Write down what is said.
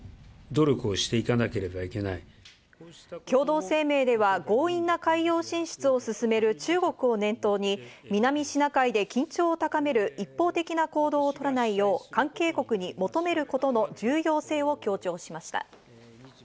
共同声明では強引な海洋進出を進める中国を念頭に南シナ海で緊張を高める一方的な行動をとらないよう、関係国に求めることの重要性を強調しました。